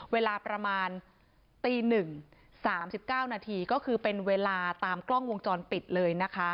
เวลาประมาณตี๑๓๙นาทีก็คือเป็นเวลาตามกล้องวงจรปิดเลยนะคะ